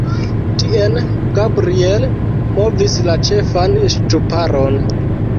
Tien Gabriel movis la ĉefan ŝtuparon.